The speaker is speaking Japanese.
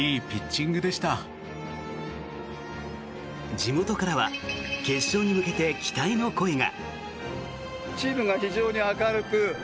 地元からは決勝に向けて期待の声が。